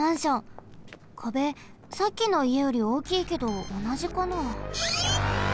壁さっきのいえよりおおきいけどおなじかな？